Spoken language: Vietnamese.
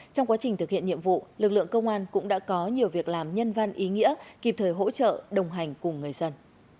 trong quá trình thực hiện nhiệm vụ lực lượng công an cũng đã có nhiều việc làm nhân văn ý nghĩa kịp thời hỗ trợ đồng hành cùng người dân